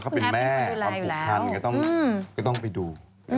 เขาเป็นแม่ความผูกพันก็ต้องไปดู